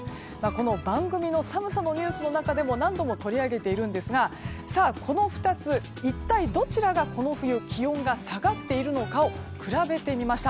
番組の寒さのニュースの中でも何度も取り上げていますがこの２つ、一体どちらがこの冬、気温が下がっているのか比べてみました。